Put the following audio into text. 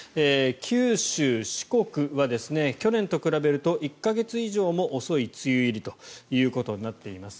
九州、四国は去年と比べると１か月以上も遅い梅雨入りとなっています。